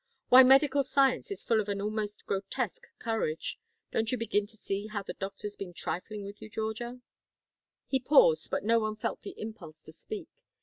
Why medical science is full of an almost grotesque courage! Don't you begin to see how the doctor's been trifling with you, Georgia?" He paused, but no one felt the impulse to speak.